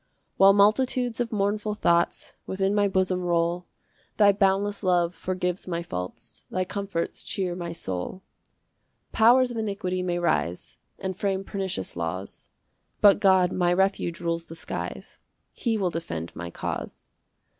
4 While multitudes of mournful thoughts Within my bosom roll, Thy boundless love forgives my faults, Thy comforts cheer my soul. 5 Powers of iniquity may rise, And frame pernicious laws; But God, my refuge, rules the skies, He will defend my cause.